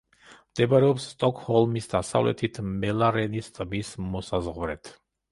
მდებარეობს სტოკჰოლმის დასავლეთით, მელარენის ტბის მოსაზღვრედ.